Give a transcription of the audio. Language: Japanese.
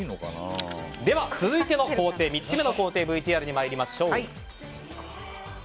では、続いての３つ目の工程ＶＴＲに参りましょう。